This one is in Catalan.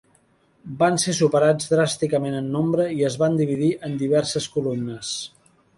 Van ser superats dràsticament en nombre i es van dividir en diverses columnes.